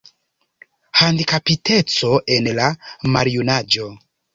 Handikapiteco en la maljunaĝo.